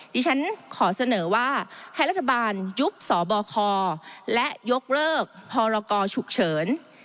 ดิฉันขอเสนอว่าให้รัฐบาลยุบสบคและยกเลิกพรกชุกเฉิน